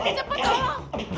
aduh apaan ini